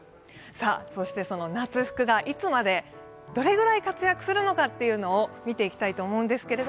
そして夏服がいつまで、どれくらい活躍するのかを見ていきたいと思うんですけど、